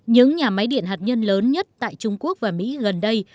những nhà máy điện hạt nhân lớn nhất tại trung quốc và mỹ gần đây